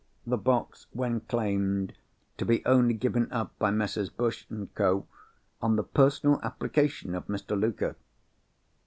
The box, when claimed, to be only given up by Messrs. Bushe and Co. on the personal application of Mr. Luker."